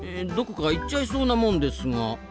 どこか行っちゃいそうなもんですが。